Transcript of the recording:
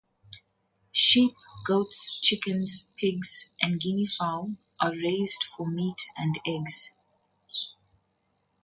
Sheep, goats, chickens, pigs and guinea fowl are raised for meat and eggs.